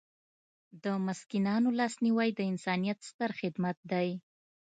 د مسکینانو لاسنیوی د انسانیت ستر خدمت دی.